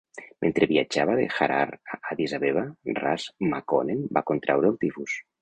Mentre viatjava de Harar a Addis Abeba, "Ras" Makonnen va contraure el tifus.